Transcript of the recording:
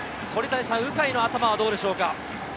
鵜飼の頭はどうでしょうか？